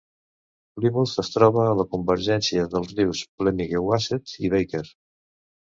Plymouth es troba a la convergència dels rius Pemigewasset i Baker.